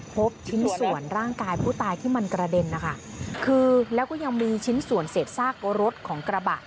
พบชิ้นส่วนร่างกายผู้ตายที่มันกระเด็นนะคะคือแล้วก็ยังมีชิ้นส่วนเศษซากรถของกระบะ